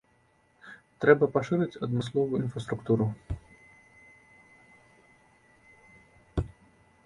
Трэба пашыраць адмысловую інфраструктуру.